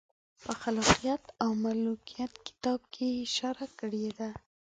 په خلافت او ملوکیت کتاب کې یې اشاره کړې ده.